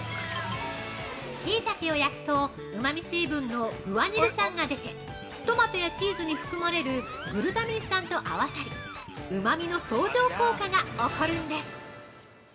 ◆しいたけを焼くと、うまみ成分のグアニル酸が出てトマトやチーズに含まれるグルタミン酸と合わさり、うまみの相乗効果が起こるんです。